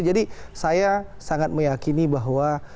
jadi saya sangat meyakini bahwa